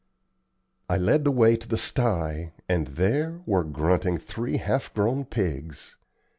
I led the way to the sty, and there were grunting three half grown pigs.